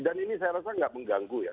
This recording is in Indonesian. dan ini saya rasa tidak mengganggu ya